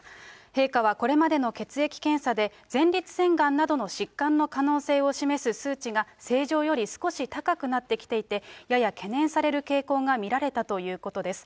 陛下はこれまでの血液検査で、前立腺がんなどの疾患の可能性を示す数値が正常より少し高くなってきていて、やや懸念される傾向が見られたということです。